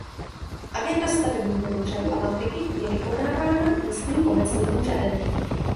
Agenda stavebního úřadu a matriky je vykonávána místním obecním úřadem.